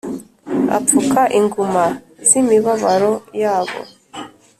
apfuka inguma z’imibabaro yabo”